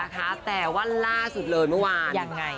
ค่ะแต่ว่าล่าสุดเลยเมื่อวานยังไง